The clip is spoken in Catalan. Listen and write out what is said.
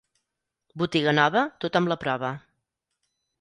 Botiga nova, tothom la prova.